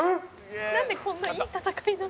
「なんでこんないい戦いなの？」